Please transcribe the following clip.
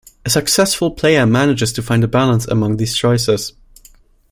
A successful player manages to find a balance among these choices.